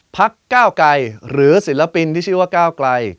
พักก้าวไกลหรือศิลปินที่ชื่อว่าก้าวไกล